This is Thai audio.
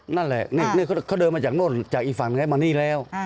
นั่นแหละนี่เขาเดินมาจากโน่นจากอีกฝั่งหนึ่งแล้วมานี่แล้ว